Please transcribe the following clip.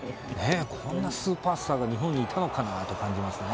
こんなスーパースターが日本にいたのかって感じますね。